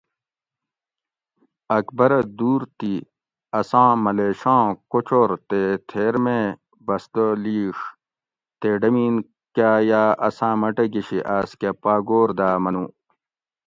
اکبرہ دور تی اساں ملیشاں کوچور تے تھیر مے بستہ لِیڛ تے ڈمین کا یا اساں مٹہ گشی آس کہ پاگور دا منو